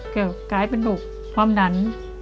เกือบกลายเป็นลูกความนั้น